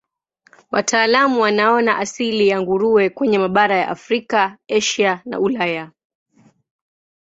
Wataalamu wanaona asili ya nguruwe kwenye mabara ya Afrika, Asia na Ulaya.